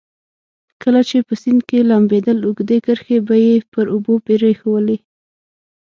کله چې په سیند کې لمبېدل اوږدې کرښې به یې پر اوبو پرېښوولې.